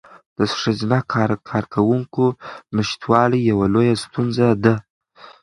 د ښځینه کارکوونکو نشتوالی یوه لویه ستونزه ده.